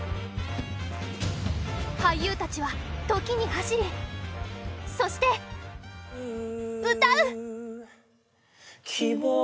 俳優たちはときに走りそして歌う！